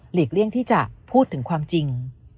เลี่ยงที่จะพูดถึงความจริง